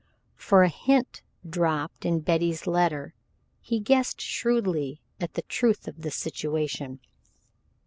From a hint dropped in Betty's letter he guessed shrewdly at the truth of the situation.